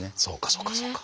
そうかそうか。